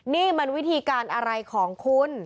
นี่มันวิธีการอะไรของคุณ